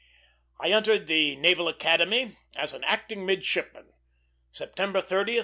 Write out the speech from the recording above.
I entered the Naval Academy, as an "acting midshipman," September 30, 1856.